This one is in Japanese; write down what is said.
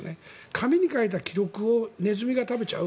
紙に書いた記録をネズミが食べちゃう。